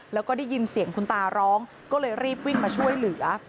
แล้วก็ได้ยินเสียงคุณตาร้องก็เลยรีบวิ่งมาช่วยเหลือ